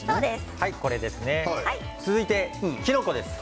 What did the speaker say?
続いてきのこです。